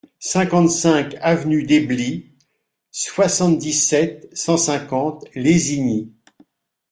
cinquante-cinq avenue d'Esbly, soixante-dix-sept, cent cinquante, Lésigny